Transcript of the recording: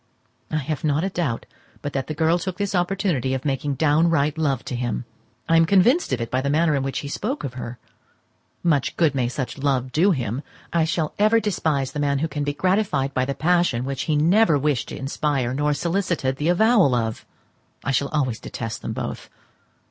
I have not a doubt but that the girl took this opportunity of making downright love to him. I am convinced of it by the manner in which he spoke of her. Much good may such love do him! I shall ever despise the man who can be gratified by the passion which he never wished to inspire, nor solicited the avowal of. I shall always detest them both.